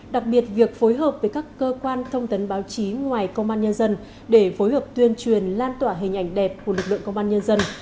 đặc biệt việc phối hợp với các cơ quan thông tấn báo chí ngoài công an nhân dân để phối hợp tuyên truyền lan tỏa hình ảnh đẹp của lực lượng công an nhân dân